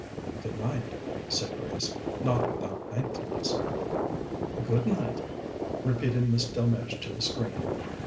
"Good night," said Grace, not without thankfulness. "Good night," repeated Miss Delmege to the screen.